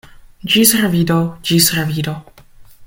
Ĝis revido, ĝis revido!